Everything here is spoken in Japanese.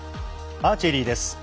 アーチェリーです。